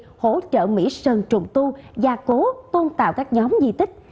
khiến mỗi một việc hỗ trợ mỹ sơn trùng tu gia cố tôn tạo các nhóm di tích